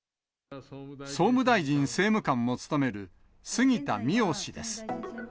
総務大臣政務官を務める杉田水脈氏です。